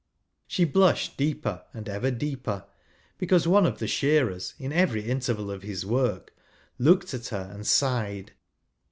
She blushed deeper and ever deeper, because one of the shearers, in every interval of his work, looked at her and sighed.